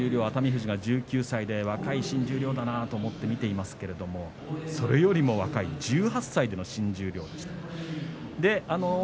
熱海富士が１９歳で若い新十両だなと思って見ていますが、それより若い１８歳での新十両でした。